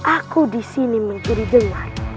aku disini mencuri dengar